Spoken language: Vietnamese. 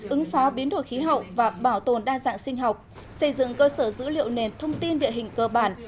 ứng phó biến đổi khí hậu và bảo tồn đa dạng sinh học xây dựng cơ sở dữ liệu nền thông tin địa hình cơ bản